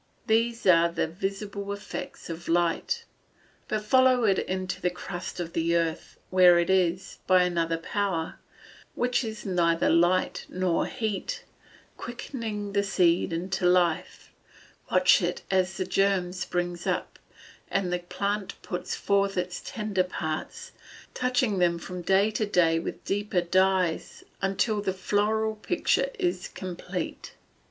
These are the visible effects of light. But follow it into the crust of the earth, where it is, by another power, which is neither light nor heat, quickening the seed into life; watch it as the germ springs up, and the plant puts forth its tender parts, touching them from day to day with deeper dyes, until the floral picture is complete.